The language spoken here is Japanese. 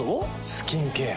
スキンケア。